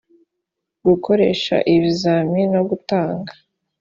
gukoresha ibizamini no gutanga